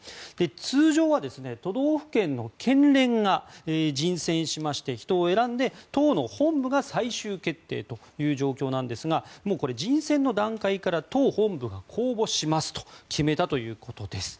通常は都道府県の県連が人選しまして、人を選んで党の本部が最終決定という状況なんですがもうこれ、人選の段階から党本部が公募しますと決めたということです。